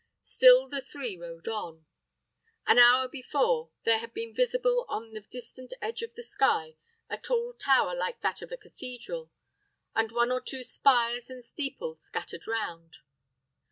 Still the three rode on. An hour before, there had been visible on the distant edge of the sky a tall tower like that of a cathedral, and one or two spires and steeples scattered round.